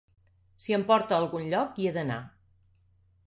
Si em porta a algun lloc, hi he d'anar.